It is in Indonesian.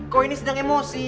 kok ini sedang emosi